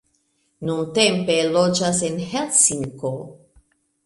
Nuntempe loĝas en Helsinko.